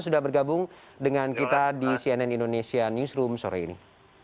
sudah bergabung dengan kita di cnn indonesia newsroom sore ini